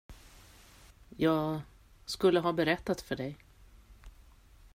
Jag skulle ha berättat för dig.